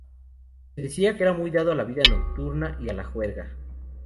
Se decía que era muy dado a la vida nocturna y a la juerga.